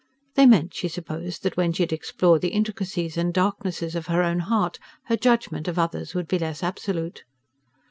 They meant, she supposed, that when she had explored the intricacies and darknesses of her own heart her judgment of others would be less absolute.